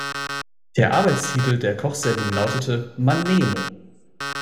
Der Arbeitstitel der Kochsendung lautete "„Man nehme“".